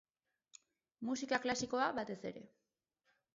Musika klasikoa batez ere.